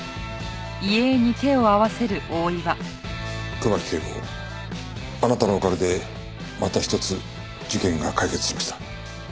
熊木警部補あなたのおかげでまた一つ事件が解決しました。